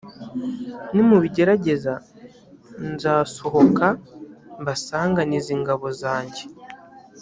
nimubigerageza, nzasohoka mbasanganize ingabo zanjye.